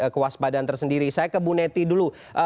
kewaspadaan tersendiri saya ke bu neti dulu